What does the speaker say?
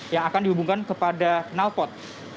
yang akan dihubungkan kepada kenalpot